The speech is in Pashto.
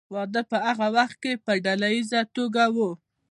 واده په هغه وخت کې په ډله ایزه توګه و.